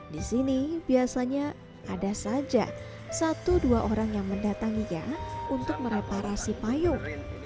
di sini biasanya ada saja satu dua orang yang mendatanginya untuk mereparasi payung